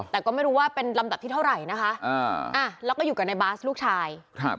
แต่ก็ไม่รู้ว่าเป็นลำดับที่เท่าไหร่นะคะแล้วก็อยู่กับในบาสลูกชายครับ